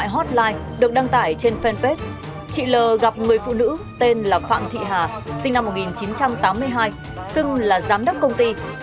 học người phụ nữ tên là phạm thị hà sinh năm một nghìn chín trăm tám mươi hai xưng là giám đốc công ty